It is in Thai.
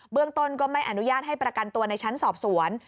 เรื่องต้นก็ไม่อนุญาตให้ประกันตัวในชั้นสอบสวน